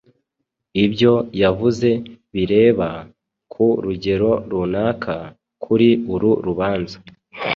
Ibyo yavuze bireba, ku rugero runaka, kuri uru rubanza.